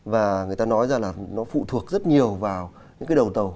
và người ta nói ra là nó phụ thuộc rất nhiều vào những cái đầu tàu